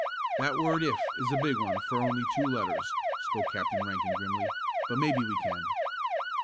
"That word 'if' is a big one for only two letters," spoke Captain Rankin grimly. "But maybe we can."